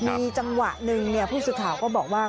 มีจังหวะหนึ่งผู้สื่อข่าวก็บอกว่า